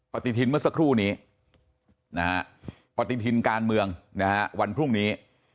ปฏิทินเมื่อสักครู่นี้ปฏิทินการเมืองวันพรุ่งนี้